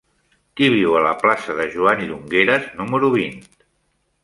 Qui viu a la plaça de Joan Llongueras número vint?